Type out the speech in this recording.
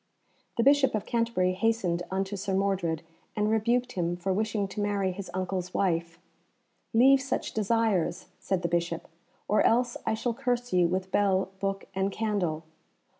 The Bishop of Canterbury hastened unto Sir Mordred, and rebuked him for wishing to marry his uncle's wife. "Leave such desires," said the Bishop, "or else I shall curse you with bell, book, and candle.